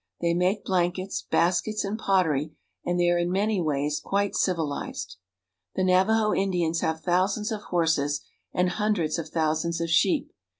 They make blankets, baskets, and pottery ; and they are in many ways quite civilized. The Navajo Indians have thousands of horses, and hun dreds of thousands of sheep.